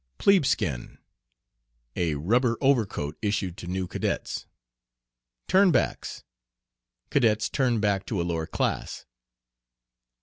"Plebeskin." A rubber overcoat issued to new cadets. "Turnbacks." Cadets turned back to a lower class.